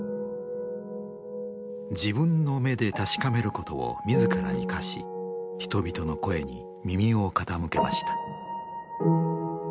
自分の目で確かめることを自らに課し人々の声に耳を傾けました。